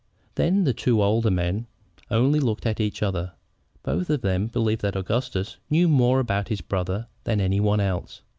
Then the two older men only looked at each other. Both of them believed that Augustus knew more about his brother than any one else.